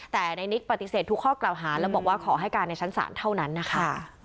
แต่ในนิกปฏิเสธทุกข้อกล่าวหาแล้วบอกว่าขอให้การในชั้นศาลเท่านั้นนะคะ